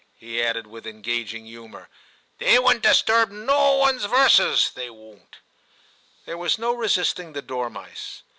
he added, with engaging humour; V TIM 105 * they won't disturb no one's verses now, they won't.' There was no resisting the dormice.